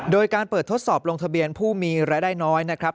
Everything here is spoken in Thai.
โดยการเปิดทดสอบลงทะเบียนผู้มีรายได้น้อยนะครับ